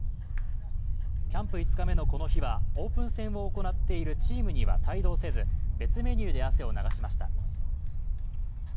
キャンプ５日目のこの日はオープン戦を行っているチームには帯同せず別メニューで汗を流しました。